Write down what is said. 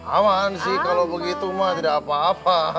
aman sih kalau begitu mah tidak apa apa